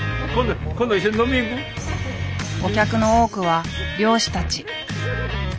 お客の多くは漁師たち。